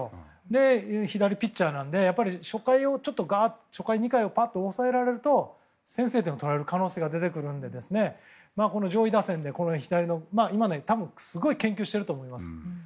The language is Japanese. で、左ピッチャーなのでやっぱり初回、２回をぱっと抑えられると先制点を取られる可能性が出てくるので上位打線をすごい研究してると思います。